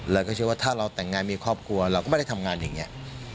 เราก็เชื่อว่าถ้าเราแต่งงานมีครอบครัวเราก็ไม่ได้ทำงานอย่างนี้